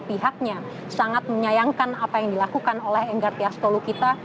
pihaknya sangat menyayangkan apa yang dilakukan oleh enggartia stolokita